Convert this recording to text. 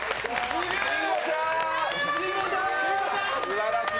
すばらしい！